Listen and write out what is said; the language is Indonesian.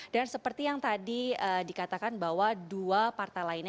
dan seperti yang tadi dikatakan bahwa dua partai lainnya